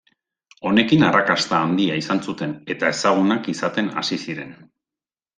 Honekin arrakasta handia izan zuten eta ezagunak izaten hasi ziren.